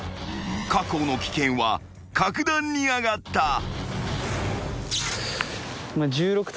［確保の危険は格段に上がった］